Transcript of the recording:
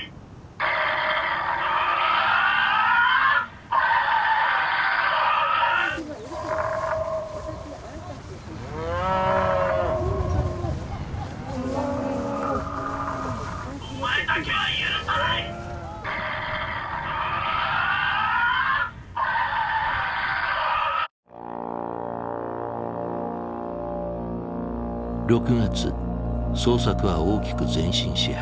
６月捜索は大きく前進し始める。